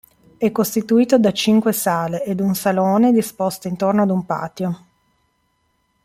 È costituito da cinque sale ed un salone disposte intorno ad un patio.